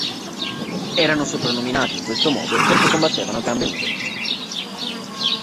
Erano soprannominati in questo modo perché combattevano a gambe nude.